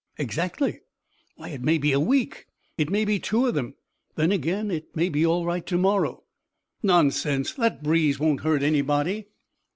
"Exactly." "Why, it may be a week!" "It may be two of them; then, again, it may be all right to morrow." "Nonsense! That breeze won't hurt anybody."